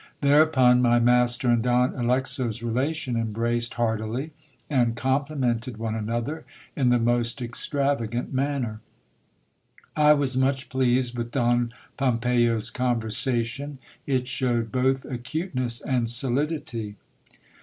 Thereupon my master and Don Alexo's relation embraced heartily, and complimented one an other in the most extravagant manner. I was much pleased with Don Pom peyo's conversation, it showed both acuteness and solidity.